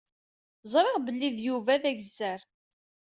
Ẓriɣ belli d Yuba d agezzar.